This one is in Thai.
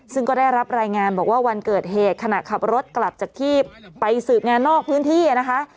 ซึ่งก็ได้รับรายงานบอกว่าวันเกิดเหตุขณะขับรถกลับจากที่ไปสืบงานนอกพื้นที่นะคะ